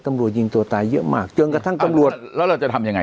ตำรวจยิงตัวตายเยอะมากจนกระทั่งตำรวจแล้วเราจะทำยังไง